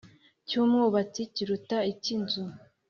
Cy umwubatsi kiruta icy inzu